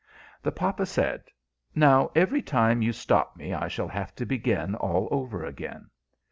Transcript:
The papa said, "Now every time you stop me I shall have to begin all over again."